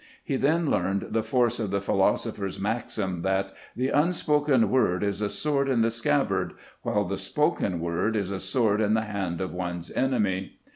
He then learned the force of the philosopher's maxim that "the unspoken word is a sword in the scabbard, while the spoken word is a sword in the hand of one's enemy."